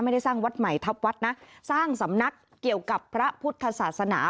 สร้างวัดใหม่ทัพวัดนะสร้างสำนักเกี่ยวกับพระพุทธศาสนา